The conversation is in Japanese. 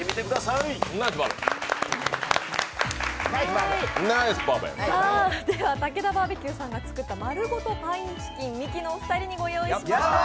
使う材料はたけだバーベキューさんが作った丸ごとパインチキンミキのお二人にご用意しました。